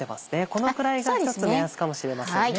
このくらいがひとつ目安かもしれませんね。